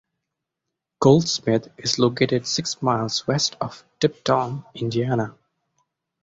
Goldsmith is located six miles west of Tipton, Indiana.